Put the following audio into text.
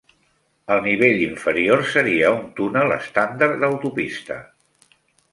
El nivell inferior seria un túnel estàndard d'autopista.